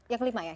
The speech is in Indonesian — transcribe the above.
yang kelima ya